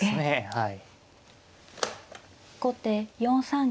はい。